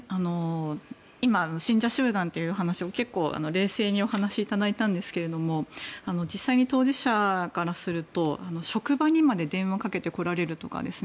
今、信者集団という話を結構冷静にお話しいただいたんですけども実際に当事者からすると職場にまで電話をかけられるとか